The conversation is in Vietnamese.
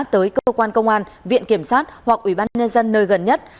tới cơ quan công an viện kiểm sát hoặc ủy ban nhân dân nơi gần nhất